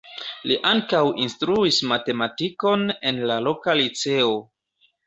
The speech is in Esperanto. Li ankaŭ instruis matematikon en la loka liceo.